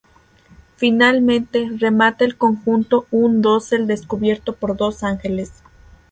Finalmente, remata el conjunto un dosel descubierto por dos ángeles.